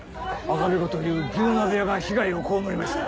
赤べこという牛鍋屋が被害を被りました。